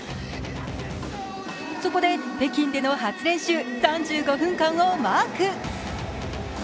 そこで北京での初練習、３５分間をマーク。